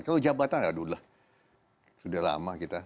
kalau jabatan aduh sudah lama kita